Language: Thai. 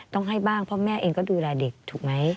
ต้องให้บ้างเพราะแม่เองก็ดูแลเด็กถูกไหม